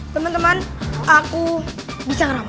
teman teman aku bisa ngeramal